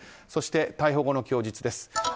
そして、逮捕後の供述です。